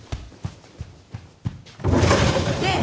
ねえ！